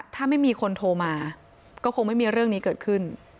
ถ้าไม่มีคนโทรมาก็คงไม่มีเรื่องนี้เกิดขึ้น